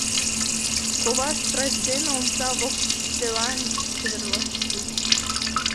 Ковашт врач дене омса воктелан чеверласыш.